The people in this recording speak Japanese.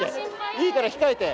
いいから控えて。